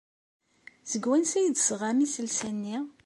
Seg wansi ay d-tesɣam iselsa-nni?